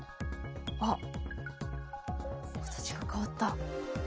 あっ形が変わった。